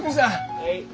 はい。